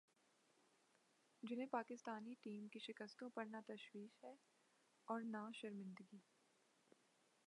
جنہیں پاکستانی ٹیم کی شکستوں پر نہ تشویش ہے اور نہ شرمندگی ۔